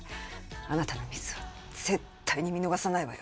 あなたのミスは絶対に見逃さないわよ。